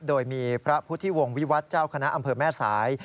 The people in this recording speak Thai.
โดยมีพระพุทธิวงศ์วิวัตรเจ้าคณะอำเภอแม่สาย